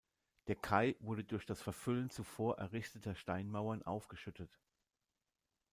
Der Kai wurde durch das Verfüllen zuvor errichteter Steinmauern aufgeschüttet.